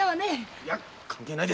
いや関係ないです。